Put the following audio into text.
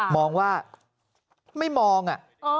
มองว่าไม่มอง